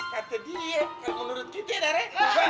kata dia kak menurut kita dare